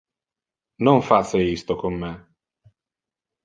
Non face isto con me.